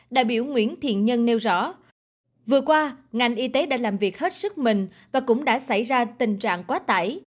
đại biểu nguyễn thiện nhân nêu rõ vừa qua ngành y tế đã làm việc hết sức mình và cũng đã xảy ra tình trạng quá tải